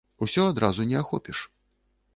Усё адразу не ахопіш.